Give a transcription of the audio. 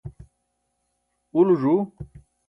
ulo ẓu